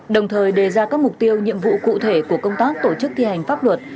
đồng thời đề ra các mục tiêu nhiệm vụ cụ thể của công tác tổ chức thi hành pháp luật